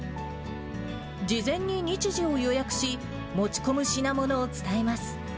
事前に日時を予約し、持ち込む品物を伝えます。